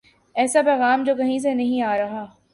ایسا پیغام جو کہیں سے نہیں آ رہا۔